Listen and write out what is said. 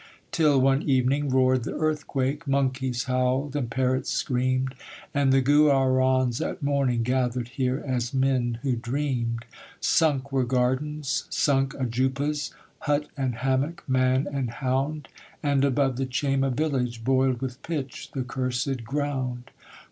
'Till one evening roared the earthquake: Monkeys howled, and parrots screamed: And the Guaraons at morning Gathered here, as men who dreamed. 'Sunk were gardens, sunk ajoupas; Hut and hammock, man and hound: And above the Chayma village Boiled with pitch the cursed ground.